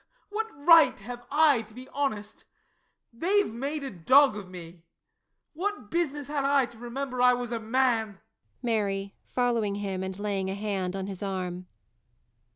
What right have I to be honest? They've made a dog of me what business had I to remember I was a man? MARY. [_Following him and laying a hand on his arm.